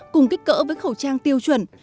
cùng kích cỡ với khẩu trang tiêu chuẩn